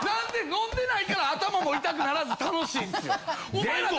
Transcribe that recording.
飲んでないから頭も痛くならず楽しいんっすよ！